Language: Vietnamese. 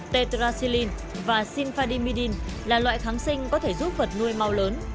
tedrasilin và sinfadimidin là loại kháng sinh có thể giúp vật nuôi mau lớn